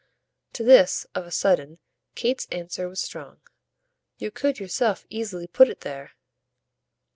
To this, of a sudden, Kate's answer was strong. "You could yourself easily put it there!"